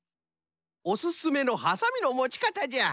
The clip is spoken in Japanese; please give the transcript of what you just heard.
おすすめのはさみのもち方じゃ。